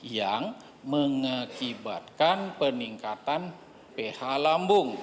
yang mengakibatkan peningkatan ph lambung